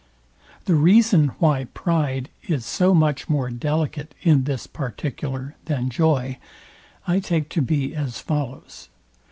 The reason, why pride is so much more delicate in this particular than joy, I take to be, as follows.